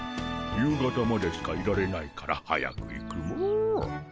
夕方までしかいられないから早く行くモ。